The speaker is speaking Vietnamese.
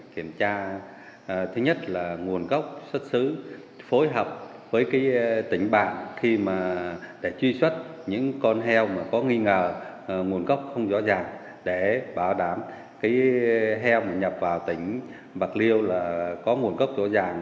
khi kiểm tra thứ nhất là nguồn gốc xuất xứ phối hợp với tỉnh bảng để truy xuất những con heo có nghi ngờ nguồn gốc không rõ ràng để bảo đảm heo nhập vào tỉnh bạc liêu có nguồn gốc rõ ràng